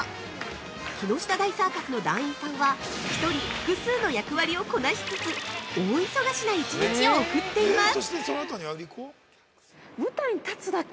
木下大サーカスの団員さんは、１人複数の役割をこなしつつ大忙しな１日を送っています！